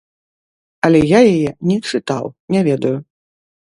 Але я яе не чытаў, не ведаю.